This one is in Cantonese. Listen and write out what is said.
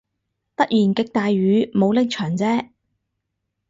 突然極大雨，冇拎長遮